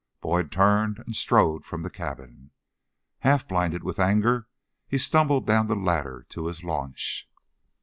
Boyd turned and strode from the cabin. Half blinded with anger, he stumbled down the ladder to his launch.